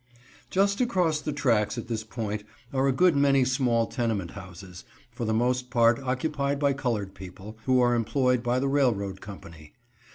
Just across the tracks at this point are a good many small tenement houses, for the most part occupied by colored people, who are employed by the railroad company.